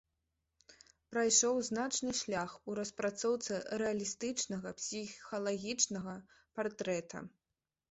Прайшоў значны шлях у распрацоўцы рэалістычнага псіхалагічнага партрэта.